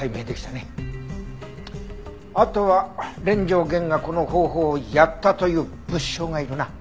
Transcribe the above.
あとは連城源がこの方法をやったという物証がいるな。